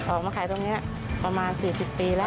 ออกมาขายตรงนี้ประมาณ๔๐ปีแล้ว